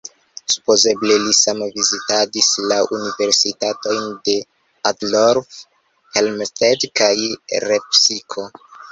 Supozeble li same vizitadis la Universitatojn de Altdorf, Helmstedt kaj Lepsiko.